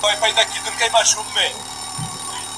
څلویښت کلن شو چې د حراء سمڅه ته ولاړ.